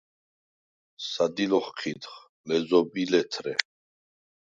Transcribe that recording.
სადილ ოხჴიდხ – ლეზობ ი ლეთრე.